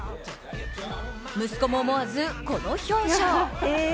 息子も思わず、この表情。